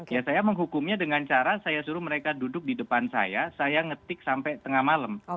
ya saya menghukumnya dengan cara saya suruh mereka duduk di depan saya saya ngetik sampai tengah malam